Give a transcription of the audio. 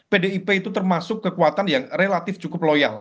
pdip itu termasuk kekuatan yang relatif cukup loyal